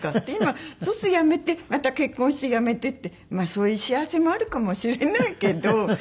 で今そうするとやめてまた結婚してやめてってまあそういう幸せもあるかもしれないけど。